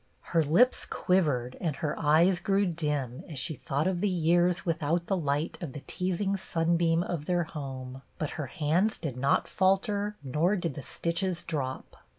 Her lips quivered and her eyes grew dim as she thought of the years without the light of the teasing sunbeam of their home; but her hands did not falter nor did the stitches drop.